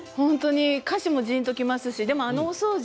歌詞もじーんときますしあのお掃除